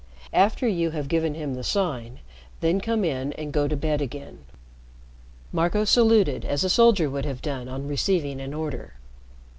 After you have given him the sign, then come in and go to bed again." Marco saluted as a soldier would have done on receiving an order.